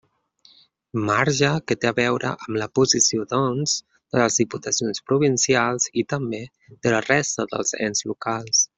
Marge que té a veure amb la posició, doncs, de les diputacions provincials i, també, de la resta dels ens locals.